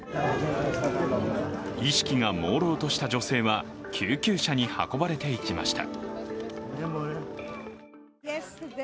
意識がもうろうとした女性は救急車に運ばれていきました。